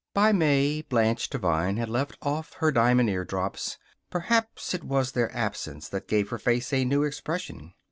By May, Blanche Devine had left off her diamond eardrops perhaps it was their absence that gave her face a new expression.